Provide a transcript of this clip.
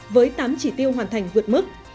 với tám chỉ tiêu hoàn thành vượt mức